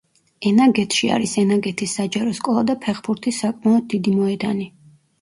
ენაგეთში არის ენაგეთის საჯარო სკოლა და ფეხბურთის საკმაოდ დიდი მოედანი.